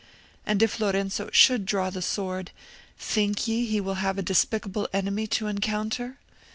and if Lorenzo should draw the sword, think ye he will have a despicable enemy to encounter?